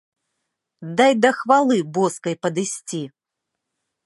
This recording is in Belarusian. Дай да хвалы боскай падысці.